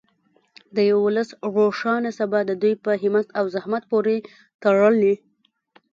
د یو ولس روښانه سبا د دوی په همت او زحمت پورې تړلې.